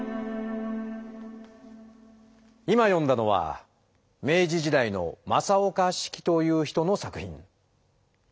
今読んだのは明治時代の正岡子規という人の作品。